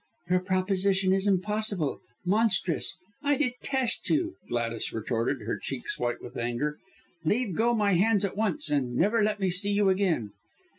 "Your proposition is impossible monstrous! I detest you," Gladys retorted, her cheeks white with anger. "Leave go my hands at once, and never let me see you again!"